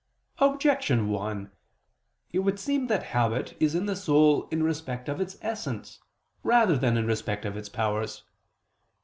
Objection 1: It would seem that habit is in the soul in respect of its essence rather than in respect of its powers.